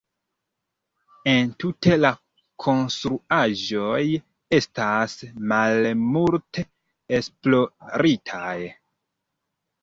Entute la konstruaĵoj estas malmulte esploritaj.